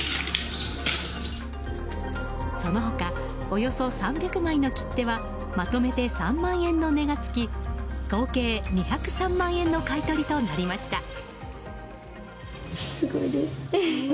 その他およそ３００枚の切手はまとめて３万円の値が付き合計２０３万円の買い取りとなりました。